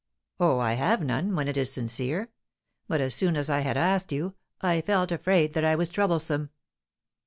"Oh, I have none, when it is sincere. But as soon as I had asked you, I felt afraid that I was troublesome."